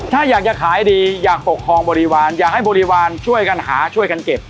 ถ้าอยากจะขายดีอยากปกครองบริวารอยากให้บริวารช่วยกันหาช่วยกันเก็บ